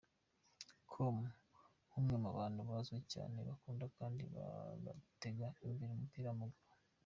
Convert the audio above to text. com nk’umwe mu bantu bazwi cyane bakunda kandi bagateza imbere umupira w’amaguru.